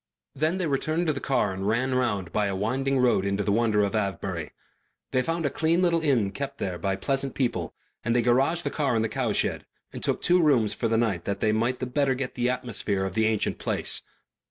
Then they returned to the car and ran round by a winding road into the wonder of Avebury. They found a clean little inn there kept by pleasant people, and they garaged the car in the cowshed and took two rooms for the night that they might the better get the atmosphere of the ancient place.